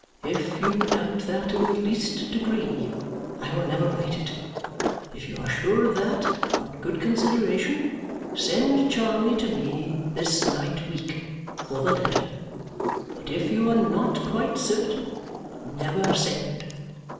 If you doubt that in the least degree, I will never write it. If you are sure of that, on good consideration, send Charley to me this night week 'for the letter.' But if you are not quite certain, never send.